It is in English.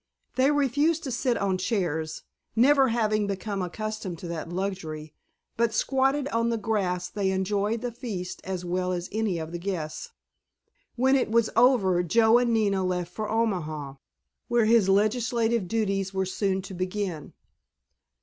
They refused to sit on chairs, never having become accustomed to that luxury, but squatted on the grass they enjoyed the feast as well as any of the guests. When it was over Joe and Nina left for Omaha, where his legislative duties were soon to begin.